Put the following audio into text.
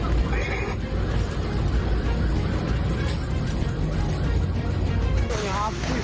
โอ้โหพังเรียบเป็นหน้ากล่องเลยนะครับ